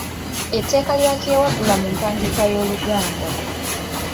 Etteeka lya kyewaggula mu mpandiika y’Oluganda